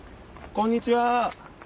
こんにちは！